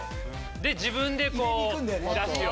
で自分でこうだしを。